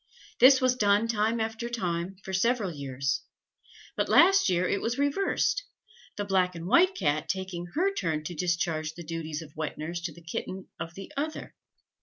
This was done time after time, for several years; but last year it was reversed, the black and white Cat taking her turn to discharge the duties of wet nurse to the kitten of the other.